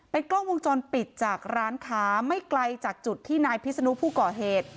กล้องวงจรปิดจากร้านค้าไม่ไกลจากจุดที่นายพิศนุผู้ก่อเหตุ